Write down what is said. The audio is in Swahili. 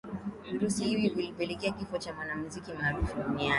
virusi hivi vilipelekea kifo cha mwanamuziki maarufu duniani